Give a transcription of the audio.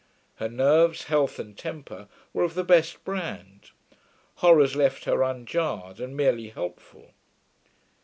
Her nerves, health, and temper were of the best brand; horrors left her unjarred and merely helpful.